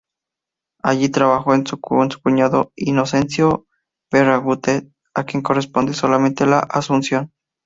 Allí trabajó con su cuñado Inocencio Berruguete, a quien corresponde solamente la "Asunción".